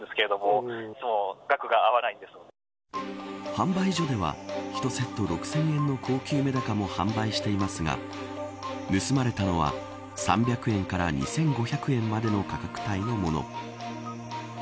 販売所では１セット６０００円の高級メダカも販売していますが盗まれたのは３００円から２５００円までの価格帯のもの。